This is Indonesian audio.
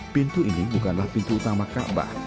pintu ini bukanlah pintu utama kaabah